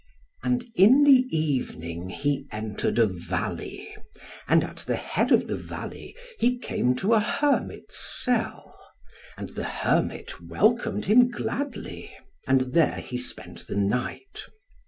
And in the evening he entered a valley, and at the head of the valley he came to a hermit's cell, and the hermit welcomed him gladly, and there he spent the night.